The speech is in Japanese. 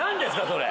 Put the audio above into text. それ。